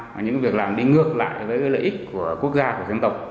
và những việc làm đi ngược lại với lợi ích của quốc gia của dân tộc